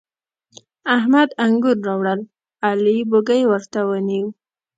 احمد انګور راوړل؛ علي بږۍ ورته ونيو.